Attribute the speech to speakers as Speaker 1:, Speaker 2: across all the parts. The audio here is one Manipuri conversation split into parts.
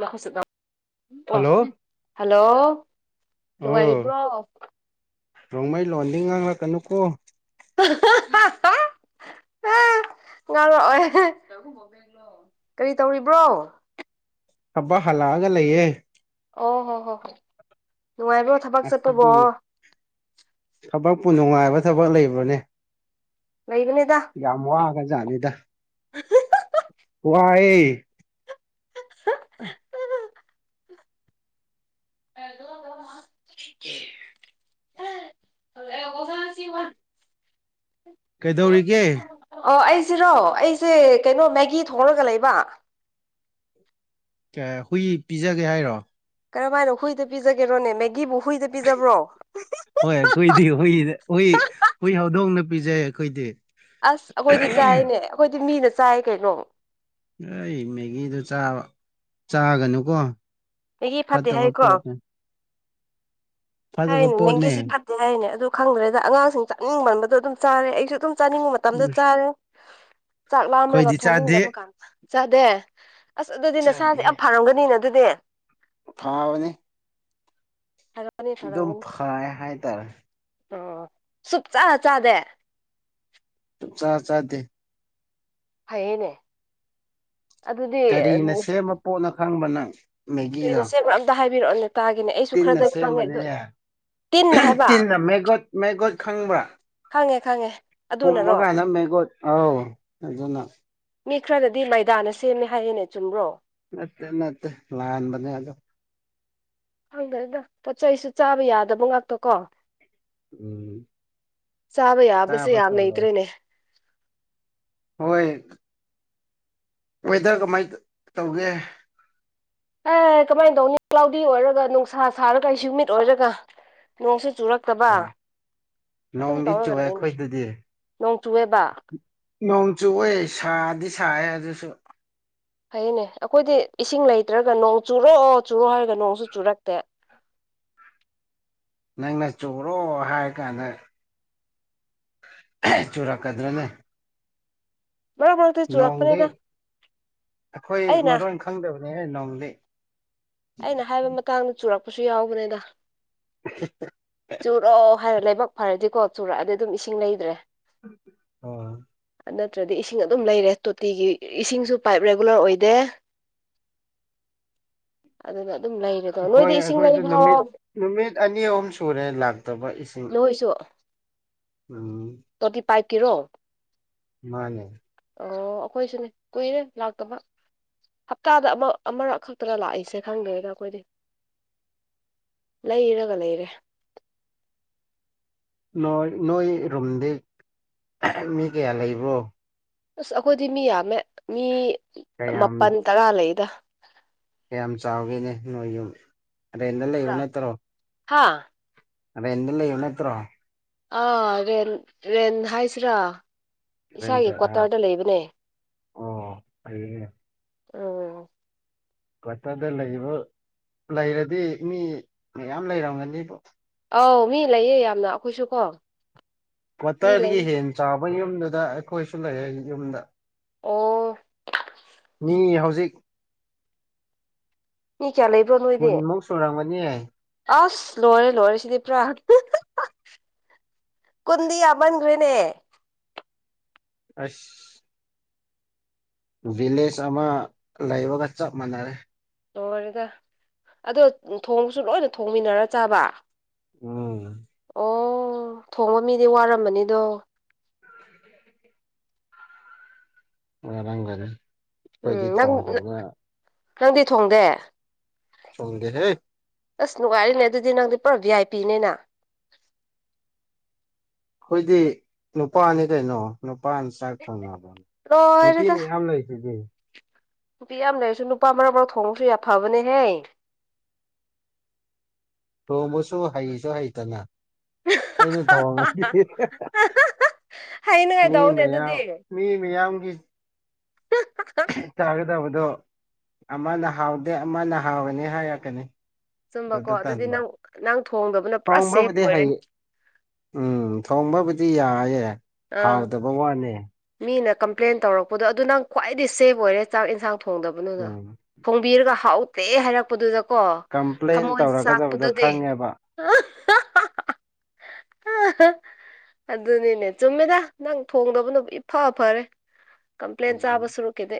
Speaker 1: ꯂꯈꯁ
Speaker 2: ꯍꯜꯂꯣ
Speaker 1: ꯍꯜꯂꯣ ꯅꯨꯡꯉꯥꯏꯔꯤꯕ꯭ꯔꯣ
Speaker 2: ꯔꯣꯡꯃꯩ ꯂꯣꯟꯗꯤ ꯉꯥꯡꯂꯛꯀꯅꯨꯀꯣ
Speaker 1: [inaudible] [unintelligible] ꯉꯥꯡꯔꯛꯑꯣ ꯀꯔꯤ ꯇꯧꯔꯤꯕ꯭ꯔꯣ
Speaker 2: ꯍꯕ ꯍꯜꯂꯒ ꯂꯩꯌꯦꯦ
Speaker 1: ꯑꯣ ꯍꯣ ꯍꯣ ꯍꯣ ꯅꯨꯡꯉꯥꯏꯕ꯭ꯔꯣ ꯊꯕꯛ ꯆꯠꯇꯧꯕꯣ
Speaker 2: ꯑꯁꯤꯗꯤ ꯊꯕꯛꯄꯨ ꯅꯨꯡꯉꯥꯏꯕ ꯊꯕꯛ ꯂꯩꯕꯅꯦ
Speaker 1: ꯃꯩꯒꯅꯤꯗ
Speaker 2: ꯖꯅꯤꯗ ꯋꯥꯏ ꯑ
Speaker 1: ꯑ
Speaker 2: ꯀꯩꯗꯧꯔꯤꯒꯦ
Speaker 1: ꯑꯣ ꯑꯩꯁꯤꯔꯣ ꯑꯩꯁꯦ ꯀꯩꯅꯣ ꯃꯦꯒꯤ ꯊꯣꯛꯂꯒ ꯂꯩꯕ
Speaker 2: ꯀ ꯍꯨꯏ ꯄꯤꯖꯒꯦ ꯍꯥꯏꯔꯣ
Speaker 1: ꯀꯔꯝꯍꯥꯏꯅꯣ ꯍꯨꯏꯗ ꯄꯤꯖꯒꯦꯔꯣꯅꯦ ꯃꯦꯒꯤꯕꯨ ꯍꯨꯏꯗ ꯄꯤꯖꯕ꯭ꯔꯣ
Speaker 2: ꯍꯣꯏ ꯀꯣꯏꯗꯤꯏ ꯍꯧꯗꯣꯡꯅ ꯄꯖꯧ ꯑꯈꫭꯏꯗꯤ
Speaker 1: ꯑꯁ ꯑꯩꯈꯣꯏꯗꯤ ꯆꯥꯏꯅꯦ ꯑꯩꯈꯣꯏꯗꯤ ꯃꯤꯅ ꯆꯥꯏ ꯀꯩꯅꯣ
Speaker 2: ꯑꯩ ꯃꯦꯒꯤꯗꯨꯥꯕ ꯆꯥꯒꯅꯨꯀꯣ
Speaker 1: ꯃꯦꯒꯤ ꯐꯠꯇꯦ
Speaker 2: ꯐꯠꯇꯕ
Speaker 1: ꯍꯥꯏꯀꯣ
Speaker 2: ꯄꯣꯠ
Speaker 1: ꯍꯥꯏꯅꯦ ꯃꯦꯡꯒꯤꯁꯤ ꯐꯠꯇꯦ ꯍꯥꯏꯅꯦ ꯑꯗꯨ ꯈꯪꯗ꯭ꯔꯦꯗ ꯑꯉꯥꯡꯁꯤꯡ ꯆꯥꯅꯤꯡ ꯃꯥꯟꯕꯗꯣ ꯑꯗꯨꯝ ꯆꯥꯔꯦ ꯑꯩꯁꯨ ꯑꯗꯨꯝ ꯆꯥꯅꯤꯡꯕ ꯃꯇꯝꯗ
Speaker 2: ꯎꯁ
Speaker 1: ꯆꯥꯔꯦ ꯆꯥꯛ ꯂꯥꯝꯔꯒ
Speaker 2: ꯑꯩꯈꯣꯏꯗꯤ ꯆꯥꯗꯦ
Speaker 1: ꯊꯣꯡꯅꯤꯡꯗꯕ ꯀꯥꯟꯗ ꯆꯥꯗꯦ ꯑꯁ ꯑꯗꯨꯗꯤ ꯅꯁꯥꯁꯦ ꯌꯥꯝ ꯐꯥꯔꯝꯒꯅꯤꯅ ꯑꯗꯨꯗꯤ
Speaker 2: ꯐꯥꯕꯅꯤ
Speaker 1: ꯐꯔꯝꯒꯅꯤ
Speaker 2: ꯑꯗꯨꯝ
Speaker 1: ꯐꯔꯝꯒꯅꯤ
Speaker 2: ꯐꯥꯏ ꯍꯥꯏ ꯇꯔ
Speaker 1: ꯑꯣ ꯁꯨꯛꯆꯥꯥ ꯆꯥꯗꯦ
Speaker 2: ꯆꯥ ꯆꯥꯗꯦ
Speaker 1: ꯐꯩꯌꯦꯅꯦ ꯑꯗꯨꯗꯤ
Speaker 2: ꯐꯪ ꯃꯅꯨꯡ ꯑꯪ
Speaker 1: ꯀꯨꯏꯅꯣ ꯁꯦꯡꯕ ꯑꯝꯇ ꯍꯥꯏꯕꯤꯔꯛꯑꯣꯅꯦ ꯇꯥꯒꯦꯅꯦ ꯑꯩꯁꯨ
Speaker 2: ꯇꯤꯟꯅ
Speaker 1: ꯈꯔꯗꯤ ꯈꯪꯉꯦ ꯑꯗꯨ
Speaker 2: ꯁꯦꯝꯕꯅꯤꯅꯦ
Speaker 1: ꯇꯤꯟꯅ ꯍꯥꯏꯕ
Speaker 2: ꯇꯤꯟꯅ ꯃꯦꯒꯣꯠ ꯃꯦꯒꯣꯠ ꯈꯪꯕ꯭ꯔꯥ
Speaker 1: ꯈꯪꯉꯦ ꯈꯪꯉꯦ ꯑꯗꯨꯅꯔꯣ
Speaker 2: ꯄꯨꯨꯝꯃꯒꯅꯃꯦꯒꯣꯠ ꯑ ꯑꯗꯨꯅ
Speaker 1: ꯃꯤ ꯈꯔꯗꯗꯤ ꯃꯩꯗꯥꯅ ꯁꯦꯝꯃꯦ ꯍꯥꯏꯌꯦꯦꯡꯅ ꯆꯨꯝꯕ꯭ꯔꯣ
Speaker 2: ꯅꯠꯇꯦ ꯅꯠꯇ ꯂꯍꯥꯟꯕꯅꯦꯗꯣ
Speaker 1: ꯍꯪꯗꯅꯤꯗ ꯄꯣꯠ ꯆꯩꯁꯨ ꯆꯥꯕ ꯌꯥꯗꯕ ꯉꯥꯛꯇꯣ ꯀꯣ
Speaker 2: ꯎꯝ
Speaker 1: ꯆꯥꯕ ꯌꯥꯕꯁꯦ
Speaker 2: ꯆꯥꯕ
Speaker 1: ꯌꯥꯝ
Speaker 2: ꯇꯜꯂꯦ
Speaker 1: ꯂꯩꯇ꯭ꯔꯦꯅꯦ
Speaker 2: ꯍꯣꯏ ꯋꯦꯗꯔ ꯀꯃꯥꯏ ꯇꯧꯒꯦ
Speaker 1: ꯑꯦ ꯀꯃꯥꯏꯅ ꯇꯧꯅꯤ ꯀ꯭ꯂꯥꯎꯗꯤ ꯑꯣꯏꯔꯒ ꯅꯨꯡꯁꯥ ꯁꯥꯔꯒ ꯏꯁꯨꯃꯤꯠ ꯑꯣꯏꯔꯒ ꯅꯣꯡꯁꯨ ꯆꯨꯔꯛꯇꯕ
Speaker 2: ꯑꯣ
Speaker 1: ꯑꯗꯨꯝ
Speaker 2: ꯅꯣꯡꯗꯤ
Speaker 1: ꯇꯧꯔꯒ
Speaker 2: ꯆꯨꯑꯦ
Speaker 1: ꯂꯩꯅꯤ
Speaker 2: ꯑꯩꯈꯣꯏꯗꯗꯤ
Speaker 1: ꯅꯣꯡ ꯆꯨꯑꯦꯕ
Speaker 2: ꯅꯣꯡꯆꯨ ꯑꯣꯏ ꯁꯥꯗꯤ ꯁꯥꯏꯦ ꯑꯗꯨꯁꯨ
Speaker 1: ꯐꯩꯅꯦ ꯑꯩꯈꯣꯏꯗꯤ ꯏꯁꯤꯡ ꯂꯩꯇ꯭ꯔꯒ ꯅꯣꯡ ꯆꯨꯔꯛꯑꯣ ꯆꯨꯔꯛꯑꯣ ꯍꯥꯏꯔꯒ ꯅꯣꯡ ꯆ ꯨ ꯆꯨꯔꯛꯇꯦ
Speaker 2: ꯅꯪꯅ ꯆꯨꯔꯣ ꯍꯥꯏꯔ ꯀꯥꯟꯗ ꯆꯨꯔꯥ ꯀꯗꯔꯅꯦ
Speaker 1: ꯃꯔꯛ ꯃꯔꯛꯇ
Speaker 2: ꯅꯣꯡꯗꯤ
Speaker 1: ꯆꯨꯔꯛꯄꯅꯤꯗ
Speaker 2: ꯑꯩꯈꯣꯏ
Speaker 1: ꯑꯩꯅ
Speaker 2: ꯃꯔꯣꯟ ꯈꯪꯗꯕꯅꯤꯍꯦ ꯅꯣꯡꯗꯤ
Speaker 1: ꯑꯩꯅ ꯍꯥꯏꯕ ꯃꯇꯥꯡꯗ ꯆꯨꯔꯛꯄꯁꯨ ꯌꯥꯎꯕꯅꯦꯗ ꯆꯨꯔꯛꯑꯣ ꯐꯔꯦ ꯂꯕꯛ ꯐꯔꯗꯤꯀꯣ ꯆꯨꯔꯛꯑꯗꯤ ꯑꯗꯨꯝ ꯏꯁꯤꯡ ꯂꯩꯗ꯭ꯔꯦ
Speaker 2: ꯑ
Speaker 1: ꯅꯠꯇ꯭ꯔꯗꯤ ꯏꯁꯤꯡ ꯑꯗꯨꯝ ꯂꯩꯔꯦ ꯇꯣꯇꯤꯒꯤ ꯏꯁꯤꯡꯁꯨ ꯄꯥꯏꯞ ꯔꯦꯒꯨꯂꯔ ꯑꯣꯏꯗꯦ ꯑꯗꯨ ꯑꯗꯨꯝ ꯂꯩꯔꯦꯗꯣ
Speaker 2: ꯍꯣꯏ
Speaker 1: ꯅꯣꯏꯗꯤ ꯏꯁꯤꯡ
Speaker 2: ꯑꯩꯈꯣꯏꯁꯨ
Speaker 1: ꯂꯩꯕ꯭ꯔꯣ
Speaker 2: ꯅꯨꯃꯤꯠ ꯅꯨꯃꯤꯠ ꯑꯅꯤ ꯑꯍꯨꯝ ꯁꯨꯔꯦ ꯂꯥꯛꯇꯕ
Speaker 1: ꯅꯣꯏꯁꯨ [unintelligible]
Speaker 2: ꯑꯅꯤ
Speaker 1: ꯀꯤꯔꯣ
Speaker 2: ꯃꯥꯅꯦ
Speaker 1: ꯑꯣ ꯑꯩꯈꯣꯏꯁꯨꯅꯦ ꯀꯨꯏꯔꯦ ꯂꯥꯛꯇꯕ ꯍꯞꯇꯥꯗ ꯑꯃ ꯑꯃꯔꯛ ꯈꯛꯇꯅꯦ ꯂꯥꯛꯏꯁꯦ ꯈꯪꯗꯦꯗ ꯑꯩꯈꯣꯏꯗꯤ ꯂꯩꯔꯒ ꯂꯩꯔꯦ
Speaker 2: ꯅꯣꯏ ꯅꯣꯏ ꯔꯨꯝꯗꯤ ꯃꯤ ꯀꯌꯥ ꯂꯩꯕ꯭ꯔꯣ
Speaker 1: ꯑꯁ ꯑꯩꯈꯣꯏꯗꯤ ꯃꯤ ꯌꯥꯝꯃꯦ ꯃꯤ
Speaker 2: ꯀꯌꯥꯝ
Speaker 1: ꯃꯥꯄꯜ ꯇꯔꯥ ꯂꯩꯗ
Speaker 2: ꯀꯌꯥꯝ ꯆꯥꯎꯒꯦꯅꯦ ꯅꯣꯏ ꯔꯨꯝ ꯔꯦꯟꯗ ꯂꯩꯕ ꯅꯠꯇ꯭ꯔꯣ
Speaker 1: ꯍꯥꯥ
Speaker 2: ꯔꯦꯟꯗ ꯂꯩꯕ ꯅꯠꯇꯔꯣ
Speaker 1: ꯑꯥ ꯔꯦꯟ ꯔꯦꯟ ꯍꯥꯏꯁꯤ꯭ꯔ
Speaker 2: ꯑꯣ
Speaker 1: ꯎꯝ
Speaker 2: ꯀ꯭ꯋꯥꯇꯔꯗ ꯂꯩꯕ ꯂꯩꯔꯗꯤ ꯃꯤ ꯃꯌꯥꯝ ꯂꯩꯔꯝꯒꯅꯤꯕꯣ
Speaker 1: ꯑꯧ ꯃꯤ ꯂꯩꯌꯦ ꯌꯥꯝꯅ ꯑꯩꯈꯣꯏꯁꯨ ꯀꯣ ꯃꯤ ꯂꯩ
Speaker 2: ꯀꯋꯥꯇꯔꯒꯤ ꯍꯦꯟ ꯆꯥꯎꯕ ꯌꯨꯝꯗꯨꯗ ꯑꯩꯈꯣꯏꯁꯨ ꯂꯩ ꯌꯨꯝꯗ
Speaker 1: ꯑꯣ
Speaker 2: ꯃꯤ ꯍꯧꯖꯤꯛ
Speaker 1: ꯃꯤ ꯀꯌꯥ ꯂꯩꯕ꯭ꯔꯣ ꯅꯣꯏꯗꯤ
Speaker 2: ꯍ
Speaker 1: ꯑꯁ ꯂꯣꯏꯔꯦ ꯂꯣꯏꯔꯦ ꯁꯤꯗꯤ ꯄꯨꯔꯥ ꯀꯨꯟꯗꯤ ꯌꯥꯃꯟꯈꯔꯦꯅꯦ
Speaker 2: ꯑꯁ ꯚꯤꯂꯦꯖ ꯑꯃ ꯂꯩꯥꯕꯒ ꯆꯞ ꯃꯥꯟꯅꯔꯦ
Speaker 1: ꯂꯣꯏꯔꯦꯗ ꯑꯗꯣ ꯊꯣꯡꯁꯨ ꯂꯣꯏꯅ ꯊꯣꯡꯃꯤꯟꯅꯔ ꯆꯥꯕ
Speaker 2: ꯎꯝ
Speaker 1: ꯑꯣ ꯊꯣꯡꯕ ꯃꯤꯗꯤ ꯋꯥꯔꯝꯃꯅꯤꯗꯣ
Speaker 2: ꯋꯥꯔꯝꯒꯅꯤ
Speaker 1: ꯎꯝ
Speaker 2: ꯑꯩꯈꯣꯏꯗꯤ
Speaker 1: ꯅꯪ
Speaker 2: ꯊꯣꯡꯗꯕꯅꯤꯅ
Speaker 1: ꯅꯪꯗꯤ ꯊꯣꯡꯗꯦ
Speaker 2: ꯊꯣꯡꯗꯦꯍꯦ
Speaker 1: ꯑꯁ ꯅꯨꯡꯉꯥꯏꯔꯤꯅꯦ ꯑꯗꯨꯗꯤ ꯅꯪꯗꯤ ꯄꯨꯔꯥ ꯚꯤ ꯑꯥꯏ ꯄꯤꯅꯦꯅ
Speaker 2: ꯑꯩꯈꯣꯏꯗꯤ ꯅꯨꯄꯥꯅꯤ ꯀꯩꯅꯣ ꯅꯨꯄꯥꯅ ꯆꯥꯛ ꯊꯣꯡꯅꯕꯔꯣ ꯅꯨꯄꯤ
Speaker 1: ꯂꯣꯏꯔꯦꯗ
Speaker 2: ꯃꯌꯥꯝ ꯂꯩꯁꯤꯗꯤ
Speaker 1: ꯅꯨꯄꯤ ꯌꯥꯝ ꯂꯩꯔꯁꯨ ꯅꯨꯄꯥ ꯃꯔꯛ ꯃꯔꯛ ꯊꯣꯡꯕꯁꯨ ꯌꯥꯝ ꯐꯕꯅꯦꯍꯦ [inaudible]
Speaker 2: ꯊꯣꯡꯕꯁꯨ ꯍꯩꯁꯨ ꯍꯩꯇꯅ ꯑꯩꯅ ꯊꯣꯡꯉꯗꯤ ꯃꯤ
Speaker 1: ꯍꯩꯅꯉꯥꯏꯗꯧꯅꯦ
Speaker 2: ꯃꯌꯥꯝ
Speaker 1: ꯑꯗꯨꯗꯤ
Speaker 2: ꯃꯤ ꯃꯌꯥꯝꯒꯤ ꯄꯤꯖꯕꯗꯣ ꯑꯃꯅ ꯍꯥꯎꯇꯦ ꯑꯃꯅ ꯍꯥꯎꯔꯕꯅꯤ ꯍꯥꯏꯔꯛꯀꯅꯤ
Speaker 1: ꯆꯨꯝꯕꯀꯣ
Speaker 2: ꯑꯗꯨꯗ
Speaker 1: ꯑꯗꯨꯗꯤ
Speaker 2: ꯇꯟꯕ
Speaker 1: ꯅꯪ ꯅꯪ ꯊꯣꯡꯗꯕꯅ ꯄꯨꯔꯥ ꯁꯦꯞ
Speaker 2: ꯊꯣꯡꯕꯕꯨꯗꯤ
Speaker 1: ꯑꯣꯏꯔꯦ
Speaker 2: ꯍꯩ ꯎꯝ ꯊꯣꯡꯕꯕꯨꯗꯤ ꯌꯥꯏꯑꯦ
Speaker 1: ꯑꯥ
Speaker 2: ꯍꯥꯎꯗꯕ ꯋꯥꯅꯦ
Speaker 1: ꯃꯤꯅ ꯀꯝꯄ꯭ꯂꯦꯟ ꯇꯧꯔꯛꯄꯗꯣ ꯑꯗꯨ ꯅꯪ ꯈ꯭ꯋꯥꯏꯗꯤ ꯁꯦꯐ ꯑꯣꯏꯔꯦ ꯆꯥꯛ ꯌꯦꯟꯁꯥꯡ ꯊꯣꯡꯗꯕꯗꯨꯗ
Speaker 2: ꯎꯝ
Speaker 1: ꯊꯣꯡꯕꯤꯔꯒ ꯍꯥꯎ ꯀꯩ ꯍꯥꯏꯔꯛꯄꯗꯨꯗ ꯀꯣ
Speaker 2: ꯀꯝꯄ꯭ꯂꯦꯟ
Speaker 1: ꯊꯃꯣꯏ
Speaker 2: ꯇꯧꯔꯛꯀꯗꯕꯗꯣ
Speaker 1: ꯆꯥꯛꯄꯗꯨꯗꯤ
Speaker 2: ꯈꯪꯉꯦꯕ
Speaker 1: ꯑꯗꯨꯅꯤꯅꯦ ꯆꯨꯝꯃꯤꯗ ꯅꯪ ꯊꯣꯡꯗꯕꯅꯕꯨ ꯏꯐ ꯐꯔꯦ ꯀꯝꯄ꯭ꯂꯦꯟ
Speaker 2: ꯎꯝ
Speaker 1: ꯆꯥꯕ ꯁꯔꯨꯛꯀꯤꯗꯤ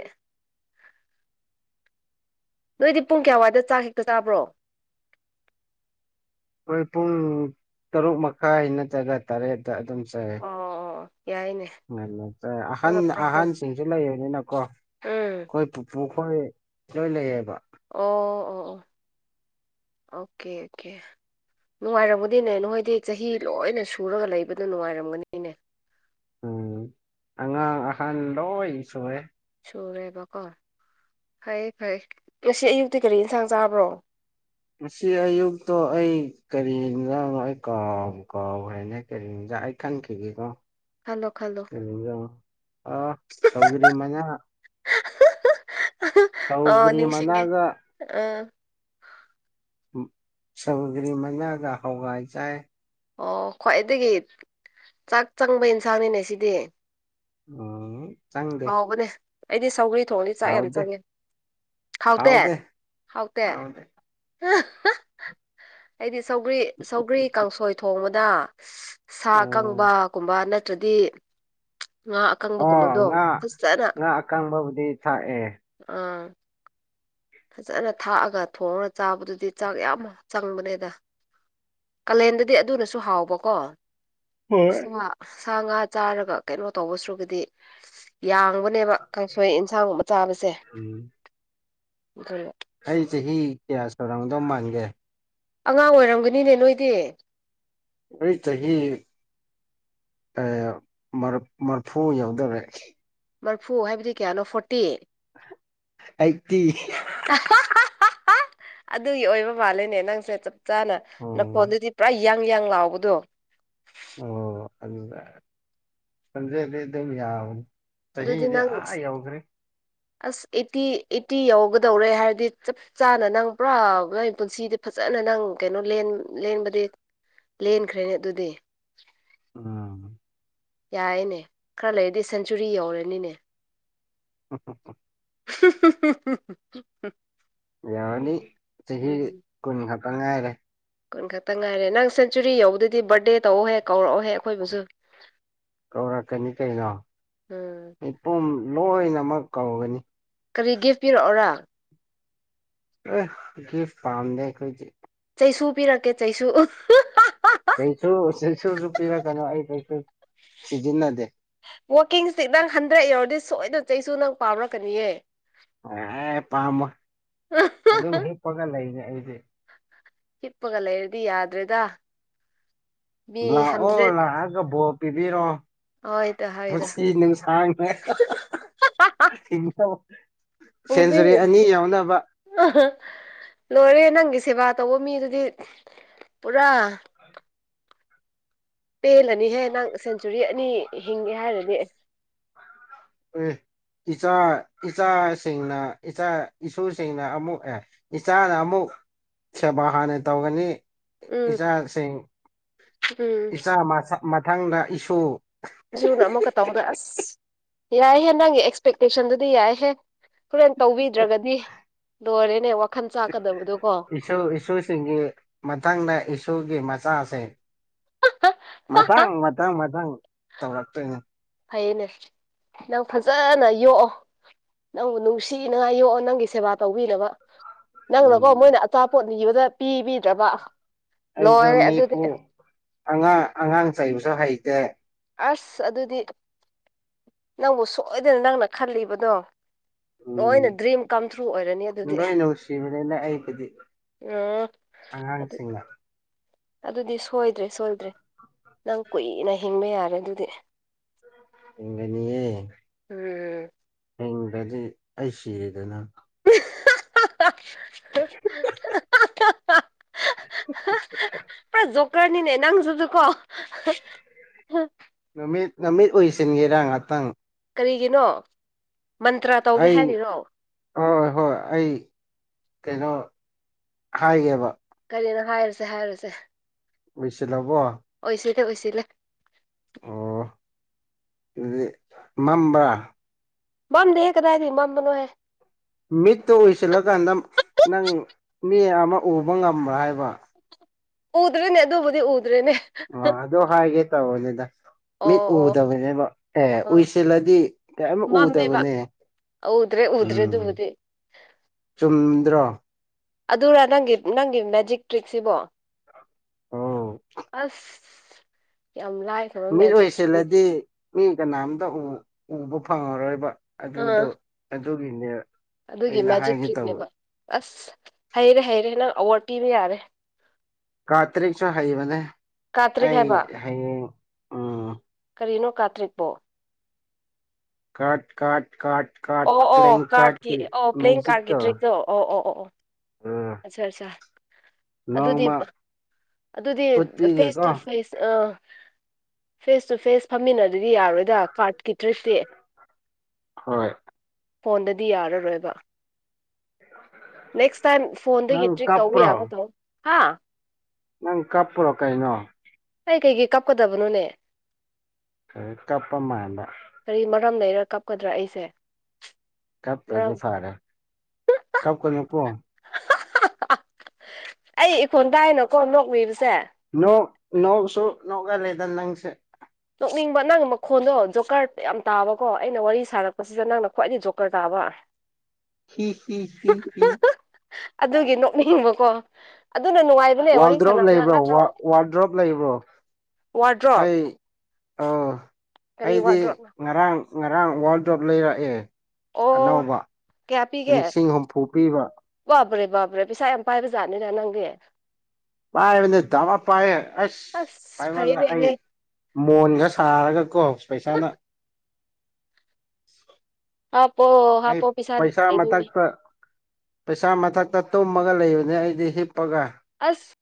Speaker 1: ꯅꯣꯏꯗꯤ ꯄꯨꯡ ꯀꯌꯥ ꯋꯥꯏꯗ ꯆꯥꯛ ꯍꯦꯛꯇ ꯆꯥꯕ꯭ꯔꯣ
Speaker 2: ꯑꯩꯈꯣꯏ ꯄꯨꯡ ꯇꯔꯨꯛ ꯃꯈꯥꯏ ꯅꯠꯇ꯭ꯔꯒ ꯇꯔꯦꯠꯇ ꯑꯗꯨꯝ ꯆꯥꯏꯌꯦ
Speaker 1: ꯑꯣ ꯑꯣ ꯌꯥꯏꯅꯦ
Speaker 2: ꯑꯍꯜ
Speaker 1: ꯄꯨꯔꯥ ꯄ꯭ꯔꯣꯄꯔ
Speaker 2: ꯑꯍꯜꯁꯤꯡꯁꯨ ꯂꯩꯕꯅꯤꯅꯀꯣ
Speaker 1: ꯎꯝ
Speaker 2: ꯑꯩꯈꯣꯏ ꯄꯨꯄꯨ ꯍꯣꯏ ꯂꯣꯏ ꯂꯩꯌꯦꯕ
Speaker 1: ꯑꯣ ꯑꯣ ꯑꯣ ꯑꯣꯀꯦ ꯑꯣꯀꯦ ꯅꯨꯡꯉꯥꯏꯔꯝꯒꯅꯤꯅꯦ ꯅꯈꯣꯏꯗꯤ ꯆꯍꯤ ꯂꯣꯏꯅ ꯁꯨꯔꯒ ꯂꯩꯕꯗꯣ ꯅꯨꯡꯉꯥꯏꯔꯝꯒꯅꯤꯅꯦ
Speaker 2: ꯎꯝ ꯑꯉꯥꯡ ꯑꯍꯜ ꯂꯣꯏꯅ ꯁꯨꯔꯦ
Speaker 1: ꯁꯨꯔꯦꯕꯀꯣ ꯐꯩ ꯐꯩ ꯉꯁꯤ ꯑꯌꯨꯛꯇꯤ ꯀꯔꯤ ꯏꯟꯁꯥꯡ ꯆꯥꯕ꯭ꯔꯣ
Speaker 2: ꯉꯁꯤ ꯑꯌꯨꯛꯇꯣ ꯑꯩ ꯀꯔꯤ ꯏꯟꯖꯥꯡꯅꯣ ꯑꯩ ꯀꯥꯎꯕꯨ ꯀꯥꯎꯈ꯭ꯔꯦꯅꯦ ꯀꯔꯤ ꯌꯥꯏ ꯈꯥꯟ ꯀꯒꯀꯣ
Speaker 1: ꯈꯜꯂꯣ ꯈꯜꯂꯣ
Speaker 2: ꯑ ꯁꯧꯒꯔꯤ ꯃꯅ
Speaker 1: ꯑꯣ ꯅꯤꯡꯁꯤꯦꯡꯉꯦ
Speaker 2: ꯃꯅꯥꯒ ꯁꯃꯒ꯭ꯔꯤ ꯃꯅꯥꯒ ꯍꯋꯥꯏ ꯆꯥꯏ
Speaker 1: ꯑꯣ ꯈ꯭ꯋꯥꯏꯗꯒꯤ ꯆꯥꯛ ꯆꯪꯕ ꯑꯦꯟꯁꯥꯡꯅꯤꯅꯦ ꯁꯤꯗꯤ
Speaker 2: ꯎꯝ ꯆꯪꯗꯦ
Speaker 1: ꯍꯥꯎꯕꯅꯦ ꯑꯩꯗꯤ ꯁꯧꯒꯔꯤ ꯊꯣꯡꯉꯅꯤ ꯆꯥꯛ ꯌꯥꯝ
Speaker 2: ꯍꯥꯎꯗꯦ
Speaker 1: ꯆꯪꯉꯦ ꯍꯥꯎꯇꯦ
Speaker 2: ꯍꯥꯎꯗꯦ
Speaker 1: ꯍꯥꯎꯇꯦ
Speaker 2: ꯍꯥꯎꯗꯦ
Speaker 1: ꯑꯩꯗꯤ ꯁꯧꯒꯔꯤ ꯁꯧꯒ꯭ꯔꯤ ꯀꯥꯡꯁꯣꯏ ꯊꯣꯡꯕꯗ ꯁꯥ
Speaker 2: ꯎꯝ
Speaker 1: ꯑꯀꯪꯕꯒꯨꯝꯕ ꯅꯠꯇ꯭ꯔꯗꯤ ꯉꯥ ꯑꯀꯪꯕ
Speaker 2: ꯑꯣ
Speaker 1: ꯀꯨꯝꯕꯗꯣ
Speaker 2: ꯉꯥ
Speaker 1: ꯐꯖꯅ
Speaker 2: ꯉꯥ ꯑꯀꯪꯕꯕꯨꯗꯤ ꯊꯥꯛꯑꯦ
Speaker 1: ꯑꯥ ꯐꯖꯅ ꯊꯥꯛꯑꯒ ꯊꯣꯡꯉꯒ ꯆꯥꯕꯗꯨꯗꯤ ꯆꯥꯛ ꯌꯥꯝ ꯆꯪꯕꯅꯦꯗ ꯀꯥꯂꯦꯟꯗꯗꯤ ꯑꯗꯨꯅꯁꯨ ꯍꯥꯎꯕꯀꯣ
Speaker 2: ꯍꯣꯏ
Speaker 1: ꯁꯥ ꯁꯥ ꯉꯥ ꯆꯥꯔꯒ ꯀꯩꯅꯣ ꯇꯧꯕꯁꯨꯒꯗꯤ ꯌꯥꯡꯕ ꯅꯦꯕ ꯀꯥꯡꯁꯣꯏ ꯌꯦꯟꯁꯥꯡꯒꯨꯝꯕ ꯆꯥꯕꯁꯦ
Speaker 2: ꯎꯝ
Speaker 1: ꯑꯗꯨꯅ
Speaker 2: ꯑꯩ ꯆꯍꯤ ꯀꯌꯥ ꯁꯔꯥꯡꯗꯣ ꯃꯥꯟꯒꯦ
Speaker 1: ꯑꯉꯥꯡ ꯑꯣꯏꯔꯝꯒꯅꯤꯅꯦ ꯅꯣꯏꯗꯤ
Speaker 2: ꯑꯏ ꯆꯍꯤꯍꯤ ꯃꯔꯐꯨ ꯌꯥꯎꯗꯔꯦ
Speaker 1: ꯃꯔꯐꯨ ꯍꯥꯏꯕꯗꯤ ꯀꯌꯥꯅꯣ ꯐꯣꯔꯇꯤ
Speaker 2: ꯑꯩꯇꯤ
Speaker 1: ꯑ ꯍꯥꯍꯥꯍꯥ ꯑꯗꯨꯒꯤ ꯑꯣꯏꯕ ꯃꯥꯂꯦꯅꯦ ꯅꯪꯁꯦ ꯆꯞ ꯆꯥꯅ
Speaker 2: ꯎꯝ
Speaker 1: ꯅꯈꯣꯟꯗꯗꯤ ꯄꯨꯔꯥ ꯌꯥꯡ ꯌꯥꯡ ꯂꯥꯎꯕꯗꯣ
Speaker 2: ꯑꯣ ꯑꯗꯨꯖ ꯑꯗꯨꯝ ꯌꯥ
Speaker 1: ꯑꯗꯨꯗꯤ
Speaker 2: ꯆꯍꯤꯗꯤ
Speaker 1: ꯅꯪ
Speaker 2: ꯑꯥ ꯌꯥꯎꯈ꯭ꯔꯦ
Speaker 1: ꯑꯁ ꯑꯩꯠꯇꯤ ꯑꯩꯠꯇꯤ ꯌꯎꯒꯗꯧꯔꯦ ꯍꯥꯏꯔꯗꯤ ꯆꯞ ꯆꯥꯅ ꯅꯪ ꯄꯨꯔꯥ ꯅꯪ ꯄꯨꯟꯁꯤꯗꯤ ꯐꯖꯅ ꯅꯪ ꯀꯩꯅꯣ ꯂꯦꯟꯕꯗꯤ ꯂꯦꯟꯈ꯭ꯔꯦꯅꯦ ꯑꯗꯨꯗꯤ
Speaker 2: ꯎꯝ
Speaker 1: ꯌꯥꯌꯦꯅꯦ ꯈꯔ ꯂꯩꯔꯗꯤ ꯁꯦꯟꯆꯨꯔꯤ ꯌꯧꯔꯅꯤꯅꯦ
Speaker 2: ꯎꯝ ꯎ ꯎꯝ
Speaker 1: ꯍꯍꯍꯍꯍ
Speaker 2: ꯌꯎꯂꯤ ꯆꯍꯤ ꯀꯨꯟꯈꯇꯉꯥꯏꯔꯦ
Speaker 1: ꯀꯨꯟ ꯈꯛꯇ ꯉꯥꯏꯔꯦ ꯅꯪ ꯁꯦꯟꯆꯨꯔꯤ ꯌꯧꯕꯗꯗꯤ ꯕꯥꯔꯠꯗꯦ ꯇꯧꯑꯣꯍꯦ ꯀꯧꯔꯛꯑꯣꯍꯦ ꯑꯩꯈꯣꯏꯕꯨꯁꯨ
Speaker 2: ꯀꯧꯔꯛꯀꯅꯤ ꯀꯩꯅꯣ
Speaker 1: ꯎꯝ
Speaker 2: ꯃꯤꯄꯨꯝ ꯂꯣꯏꯅꯃꯛ ꯀꯧꯒꯅꯤ
Speaker 1: ꯀꯔꯤ ꯒꯤꯐ ꯄꯤꯔꯛꯑꯣꯔ
Speaker 2: ꯑꯦ ꯒꯤꯞ ꯄꯝꯗꯦꯈꯣꯏꯗꯤ
Speaker 1: ꯆꯩꯁꯨ ꯄꯤꯔꯛꯀꯦ ꯆꯩꯁꯨ
Speaker 2: ꯆꯩꯁꯨ ꯆꯩꯁꯨꯁꯨ ꯄꯤꯔꯛꯀꯅꯨ ꯑꯩ ꯀꯩꯁꯨ ꯁꯤꯖꯤꯟꯅꯗꯦ
Speaker 1: ꯋꯥꯀꯤꯡ ꯏꯁꯇꯤꯛ ꯅꯪ ꯍꯟꯗ꯭ꯔꯛ ꯌꯧꯔꯗꯤ ꯁꯣꯏꯗꯅ ꯆꯩꯁꯨ ꯅꯪ ꯄꯥꯝꯔꯛꯀꯅꯤꯑ
Speaker 2: ꯑꯦ ꯄꯥꯝꯃꯣꯢ ꯑꯗꯨꯝ ꯍꯤꯞꯄꯒ ꯂꯩꯅꯤ ꯑꯩꯁꯦ
Speaker 1: ꯍꯤꯄꯒ ꯂꯩꯔꯗꯤ ꯌꯥꯗ꯭ꯔꯦꯗ ꯃꯤ
Speaker 2: ꯂꯥꯛꯑꯣ
Speaker 1: ꯍꯟꯗ꯭ꯔꯦꯠ
Speaker 2: ꯂꯥꯛꯑꯒꯕꯣ ꯄꯤꯕꯤꯔꯣ
Speaker 1: ꯍꯣꯏꯗ ꯍꯣꯏꯗ
Speaker 2: ꯄꯨꯟꯁꯤ ꯅꯨꯡꯁꯥꯡꯅ ꯍꯤꯡ
Speaker 1: ꯄꯨꯨꯡꯁꯤ ꯂꯣꯏꯔꯦ ꯅꯪꯒꯤ ꯁꯦꯕꯥ ꯇꯧꯕ ꯃꯤ ꯑꯗꯨꯗꯤ ꯄꯨꯔꯥ ꯄꯦꯜꯂꯅꯤꯍꯦ ꯅꯪ ꯁꯦꯟꯆꯨꯔꯤ ꯑꯅꯤ ꯍꯤꯡꯒꯦ ꯍꯥꯏꯔꯅꯦ
Speaker 2: ꯎ ꯏꯆꯥ ꯏꯆꯥꯁꯤꯡꯅ ꯏꯆꯥ ꯏꯁꯨꯁꯤꯡꯅ ꯑꯃꯨꯛ ꯏꯆꯥꯅ ꯑꯃꯨꯛ ꯁꯦꯕꯥ ꯍꯥꯟꯅ ꯇꯧꯒꯅꯤ
Speaker 1: ꯎꯝ
Speaker 2: ꯏꯆꯥꯁꯤꯡ
Speaker 1: ꯎꯝ
Speaker 2: ꯏꯆꯥ ꯃ ꯃꯊꯪꯗ ꯏꯁꯨ
Speaker 1: ꯁꯨꯅ ꯑꯃꯨꯛꯀ ꯇꯧꯕꯗ ꯑꯁ ꯌꯥꯏꯍꯦ ꯅꯪꯒꯤ ꯑꯦꯛꯁꯄꯦꯛꯇꯦꯁꯟꯗꯨꯗꯤ ꯌꯥꯏꯍꯦ ꯍꯣꯔꯦꯟ ꯇꯧꯕꯤꯗ꯭ꯔꯒꯗꯤ ꯂꯣꯏꯔꯦꯅꯦ ꯋꯥꯈꯜ ꯆꯥꯛꯀꯗꯕꯗꯣꯀꯣ
Speaker 2: ꯏ ꯏꯁꯨꯁꯤꯡꯒꯤ ꯃꯊꯪꯗ ꯏꯁꯨꯒꯤ ꯃꯆꯥꯁꯦ ꯃꯊꯪ ꯃꯊꯪ ꯃꯊꯪ ꯇꯧꯔꯛꯇꯣꯏꯅꯦ
Speaker 1: ꯍꯌꯦꯅꯦ ꯅꯪ ꯐꯖꯅ ꯌꯣꯛꯑꯣ ꯅꯪꯕꯨ ꯅꯨꯡꯁꯤꯅꯉꯥꯏ ꯌꯣꯛꯑꯣ ꯅꯪꯒꯤ ꯁꯦꯕꯥ ꯇꯧꯕꯤꯅꯕ ꯅꯪꯅꯀꯣ
Speaker 2: ꯎꯝ
Speaker 1: ꯃꯣꯏꯅ ꯑꯆꯥꯄꯣꯠ ꯅꯤꯕꯗ ꯄꯤꯕꯤꯗ꯭ꯔꯕ
Speaker 2: ꯑꯩꯁꯨ
Speaker 1: ꯂꯣꯏꯔꯦ ꯑꯗꯨꯗꯤ
Speaker 2: ꯃꯤꯄꯨ ꯑꯉꯥꯡ ꯑꯉꯥꯡ ꯆꯩꯕꯁꯨ ꯍꯩꯇꯦ
Speaker 1: ꯑꯁ ꯑꯗꯨꯗꯤ ꯅꯪꯕꯨ ꯁꯣꯏꯗꯅ ꯅꯪꯅ ꯈꯜꯂꯤꯕꯗꯣ ꯂꯣꯏꯅ
Speaker 2: ꯎꯝ
Speaker 1: ꯗ꯭ꯔꯤꯝ ꯀꯝ ꯊ꯭ꯔꯨ ꯑꯣꯏꯔꯅꯤ ꯑꯗꯨꯗꯤ ꯎꯝ ꯑꯗꯨ
Speaker 2: ꯑꯉꯥꯡꯁꯤꯡ
Speaker 1: ꯑꯗꯨꯗꯤ ꯁꯣꯏꯗ꯭ꯔꯦ ꯁꯣꯏꯗ꯭ꯔꯦ ꯅꯪ ꯀꯨꯏꯅ ꯍꯤꯡꯕ ꯌꯥꯔꯦ ꯑꯗꯨꯗꯤ
Speaker 2: ꯍꯤꯡꯒꯅꯤꯌꯦ
Speaker 1: ꯎꯝ
Speaker 2: ꯍꯤꯡꯒꯗꯤ ꯑꯩ ꯁꯤꯔꯦꯗꯅ
Speaker 1: [unintelligible] ꯄꯨꯔꯥ ꯖꯣꯀꯔꯅꯤꯅꯦ ꯅꯪꯁꯨꯁꯨꯀꯣ
Speaker 2: ꯅꯨꯃꯤꯠ ꯅꯨꯃꯤꯠ ꯑꯣꯏꯁꯤꯟꯒꯦꯔ ꯉꯍꯥꯛꯇꯪ
Speaker 1: ꯀꯔꯤꯒꯤꯅꯣ ꯃꯟꯇ꯭ꯔ ꯇꯧꯒꯦ
Speaker 2: ꯑꯩ
Speaker 1: ꯍꯥꯏꯔꯤꯔꯣ
Speaker 2: ꯍ ꯍꯣꯏ ꯑꯩ ꯀꯩꯅꯣ ꯍꯥꯏꯒꯦꯕ
Speaker 1: ꯀꯔꯤꯅ ꯍꯥꯏꯔꯁꯦ ꯍꯥꯏꯔꯁꯦ
Speaker 2: ꯑꯣꯏꯁꯜꯂꯥꯕꯣ
Speaker 1: ꯑꯣꯏꯁꯤꯂꯦ
Speaker 2: ꯑꯣ ꯑꯗꯨꯗꯤ ꯃꯝꯕ꯭ꯔꯥ
Speaker 1: ꯃꯝ ꯗꯦ ꯀꯗꯥꯏ ꯊ ꯃ ꯃꯅꯣꯍꯦ
Speaker 2: ꯃꯤꯠꯇꯨ ꯑꯣꯏꯁꯤꯜꯂꯀꯥꯟꯗ ꯅꯪ ꯃꯤ ꯑꯃ ꯎꯕ ꯉꯝꯕ꯭ꯔꯥ ꯍꯥꯏꯕ
Speaker 1: ꯎꯗ꯭ꯔꯦꯅꯦ ꯑꯗꯨꯕꯨꯗꯤ ꯎꯗ꯭ꯔꯦ
Speaker 2: ꯑ ꯑꯗꯣ ꯍꯥꯏꯦ ꯇꯕꯅꯦꯗ ꯃꯤꯠ
Speaker 1: ꯑꯣ ꯑꯣ
Speaker 2: ꯎꯗꯕꯅꯦꯕ ꯑꯦ
Speaker 1: ꯑꯣ
Speaker 2: ꯎꯏꯁꯤꯜꯂꯗꯤ ꯀꯌꯥꯃꯛ ꯎꯗꯕꯅꯦ
Speaker 1: ꯍꯧꯗ꯭ꯔꯦ ꯎꯗ꯭ꯔꯦ ꯑꯗꯨ
Speaker 2: ꯎꯝ
Speaker 1: ꯎꯗꯦ
Speaker 2: ꯆꯨꯝꯗ꯭ꯔꯣ
Speaker 1: ꯑꯗꯨꯔ ꯅꯪꯒꯤ ꯅꯪꯒꯤ ꯃꯦꯖꯤꯛ ꯇ꯭ꯔꯤꯛꯁꯤꯕꯣ
Speaker 2: ꯑꯣ
Speaker 1: ꯑꯁ ꯀ ꯂꯑ ꯊꯔ
Speaker 2: ꯃꯤꯠ
Speaker 1: ꯃꯦꯖꯤꯛ
Speaker 2: ꯑꯣꯏꯁꯤꯜꯂꯗꯤ ꯃꯤ ꯀꯅꯥꯝꯇ ꯎꯕ ꯐꯪꯉꯔꯣꯏꯕ
Speaker 1: ꯑꯥ
Speaker 2: ꯑꯗꯨꯗꯣ ꯑꯗꯨꯒꯤꯅꯦꯕ
Speaker 1: ꯑꯗꯨꯒꯤ ꯃꯦꯖꯤꯛ ꯇ꯭ꯔꯤꯛꯅꯦꯕ ꯑꯁ ꯍꯩꯔꯦ ꯍꯩꯔꯦ ꯅꯪ ꯑꯋꯥꯠ ꯄꯤꯕ ꯌꯥꯔꯦ
Speaker 2: ꯀꯥ ꯇꯔꯦꯛꯁꯨ ꯍꯩꯕꯅꯦ
Speaker 1: ꯀꯥꯇ꯭ꯔꯤꯛ
Speaker 2: ꯑꯩ
Speaker 1: ꯍꯥꯏꯕ
Speaker 2: ꯍꯌꯦꯌꯦꯡ
Speaker 1: ꯀꯔꯤꯅꯣ ꯀꯥꯇ꯭ꯔꯤꯛꯄꯣ
Speaker 2: ꯀꯥꯠ ꯀꯥꯠ ꯀ ꯀꯥ
Speaker 1: ꯑꯣ ꯑꯣ
Speaker 2: ꯀꯥ
Speaker 1: ꯀꯥꯔꯠꯀꯤ ꯑꯣ ꯄ꯭ꯂꯦꯌꯤꯡ
Speaker 2: ꯃꯦꯖꯤꯛ
Speaker 1: ꯀꯥꯔꯠꯀꯤ
Speaker 2: ꯇ
Speaker 1: ꯇ꯭ꯔꯤꯛꯇꯣ ꯑꯣ ꯑꯣ ꯑꯣ ꯑꯣ ꯑꯠꯆꯥ ꯑꯠꯆꯥ ꯑꯗꯨꯗꯤ
Speaker 2: ꯅꯣꯡꯃ
Speaker 1: ꯑꯗꯨꯗꯤ ꯐꯦꯁ
Speaker 2: ꯎꯠꯄꯤꯒꯦꯀꯣ
Speaker 1: ꯇꯨ ꯐꯦꯁ ꯑ ꯐꯦꯁ ꯇꯨ ꯐꯦꯁ ꯐꯝꯃꯤꯟꯅ ꯑꯗꯨꯗꯤ ꯌꯥꯔꯣꯏꯗ ꯀꯥꯔꯠꯀꯤ ꯗ꯭ꯔꯤꯁꯇꯦ
Speaker 2: ꯍꯣꯏ
Speaker 1: ꯐꯣꯟꯗꯗꯤ ꯌꯥꯔꯔꯣꯏꯕ ꯅꯦꯛꯁ ꯇꯥꯏꯝ ꯐꯣꯟꯗꯒꯤ
Speaker 2: ꯅꯪ
Speaker 1: ꯇ꯭ꯔꯤꯛ ꯇꯧꯕ
Speaker 2: ꯀꯞꯄ꯭ꯔꯣ
Speaker 1: ꯌꯥꯒ ꯇꯣ ꯍꯥ
Speaker 2: ꯅꯪ ꯀꯄꯔꯣ ꯀꯥꯏꯅꯣ
Speaker 1: ꯑꯩ ꯀꯩꯀꯩ ꯀꯥꯞꯀꯗꯕꯅꯣꯅꯦ
Speaker 2: ꯍ ꯀꯄꯃꯟꯕ
Speaker 1: ꯀꯔꯝ ꯂꯩꯔ ꯀꯞꯀꯗ꯭ꯔꯥ ꯑꯩꯁꯦ
Speaker 2: ꯀ ꯇꯖꯦ
Speaker 1: ꯃꯔꯝ
Speaker 2: ꯐꯔꯦ ꯀꯞ ꯀꯅꯤ ꯀ
Speaker 1: ꯑꯩ ꯏꯈꯣꯟ ꯇꯥꯏꯅꯀꯣ ꯅꯣꯛꯃꯤꯁ
Speaker 2: ꯅꯣꯡ ꯅꯣꯡꯁꯨ ꯅꯣꯡꯒ ꯂꯩꯗ ꯅꯪꯁꯦ
Speaker 1: ꯀꯛꯅꯤꯡꯕ ꯅꯪꯒꯤ ꯃꯈꯣꯟꯗꯣ ꯖꯣꯀꯔ ꯌꯥꯝ ꯇꯥꯕꯀꯣ ꯑꯩꯅ ꯋꯥꯔꯤ ꯁꯥꯔꯛꯄꯁꯤꯗ ꯅꯪꯅ ꯈ꯭ꯋꯥꯏꯗꯒꯤ ꯖꯣꯀꯔ ꯇꯥꯕ
Speaker 2: ꯍꯤ ꯍꯤ ꯍꯤ ꯍꯤ
Speaker 1: ꯑꯗꯨꯒꯤ ꯅꯣꯛꯅꯤꯡꯕꯀꯣ ꯑꯗꯨꯅ ꯅꯨꯡꯉꯥꯏꯕꯅꯦ ꯋꯥꯔꯤ
Speaker 2: ꯋꯥꯜꯗ꯭ꯔꯣꯞ
Speaker 1: ꯁꯥꯟꯅꯕꯗ
Speaker 2: ꯂꯩꯕ꯭ꯔꯣ
Speaker 1: ꯅꯠꯇ꯭ꯔꯣ
Speaker 2: ꯋꯥꯜꯗ꯭ꯔꯣꯞ ꯂꯩꯕ꯭ꯔꯣ
Speaker 1: ꯋꯥꯔꯗ꯭ꯔꯣꯞ
Speaker 2: ꯑꯩ ꯑꯣ
Speaker 1: ꯀꯔꯤ
Speaker 2: ꯑꯩꯗꯤ
Speaker 1: ꯋꯥꯔꯗ꯭ꯔꯣꯞꯅꯣ
Speaker 2: ꯉꯔꯥꯡ ꯉꯔꯥꯡ ꯋꯥꯔꯜ ꯗ꯭ꯔꯣꯞ ꯂꯩꯔꯛꯑꯦ
Speaker 1: ꯑꯣ
Speaker 2: ꯑꯅꯧꯕ
Speaker 1: ꯀꯌꯥ ꯄꯤꯒꯦ
Speaker 2: ꯂꯤꯁꯤꯡ ꯍꯨꯝꯐꯨ ꯄꯤꯕ
Speaker 1: ꯕꯥꯕ꯭ꯔꯦ ꯕꯥꯕ꯭ꯔꯦ ꯄꯩꯁꯥ ꯌꯥꯝ ꯄꯥꯏꯕꯖꯥꯠꯅꯤꯅ ꯅꯪꯒꯤ
Speaker 2: ꯄꯥꯏꯕꯅꯦ ꯕ ꯄꯥꯏꯌꯦ ꯑꯁ
Speaker 1: ꯑꯁ
Speaker 2: ꯄꯥꯏꯕ ꯑꯩ
Speaker 1: ꯐꯔꯦꯅꯦꯍꯦ
Speaker 2: ꯃꯣꯟꯒ ꯁꯥꯔꯒꯀꯣ ꯄꯩꯁꯥꯅ
Speaker 1: ꯍꯥꯞꯄꯣ
Speaker 2: ꯑꯩ
Speaker 1: ꯍꯥꯞꯄꯣ
Speaker 2: ꯄꯩꯁꯥ
Speaker 1: ꯂꯩꯕꯒꯤ
Speaker 2: ꯃꯊꯛꯇ ꯄꯩꯁꯥ ꯃꯊꯛꯇ ꯇꯨꯝꯃꯒ ꯂꯩꯕꯅꯦ ꯑꯩꯗꯤ ꯍꯤꯞꯄꯒ
Speaker 1: ꯑꯁ